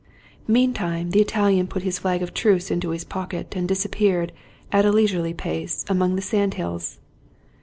Meantime, the Italian put his flag of truce into his pocket, and disappeared, at a leisurely pace, among the sand hills.